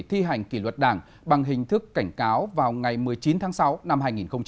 thi hành kỷ luật đảng bằng hình thức cảnh cáo vào ngày một mươi chín tháng sáu năm hai nghìn một mươi chín